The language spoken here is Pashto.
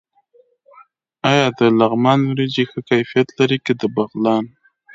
آیا د لغمان وریجې ښه کیفیت لري که د بغلان؟